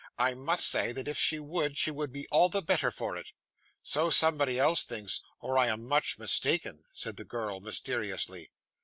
'I must say, that if she would, she would be all the better for it.' 'So somebody else thinks, or I am much mistaken,' said the girl mysteriously.